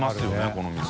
このお店。